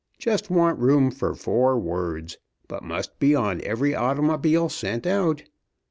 Just want room for four words, but must be on every automobile sent out.